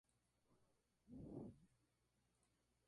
Fue producido por Color-Sonics.